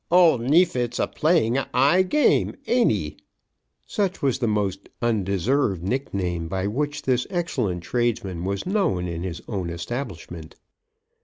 "Old Neverfit's a playing at 'igh game, ain't he?" Such was the most undeserved nickname by which this excellent tradesman was known in his own establishment.